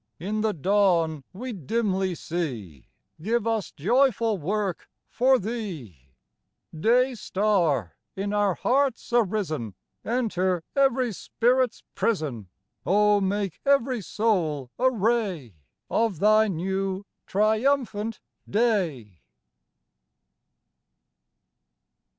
In the dawn we dimly see, Give us joyful work for Thee ! Day Star, in our hearts arisen, Enter every spirit's prison ! Oh, make every soul a ray Of Thy new, triumphant day